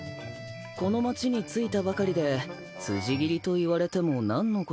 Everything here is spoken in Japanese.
この町に着いたばかりで辻斬りと言われても何のことやら。